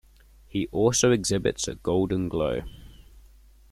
He also exhibits a golden glow.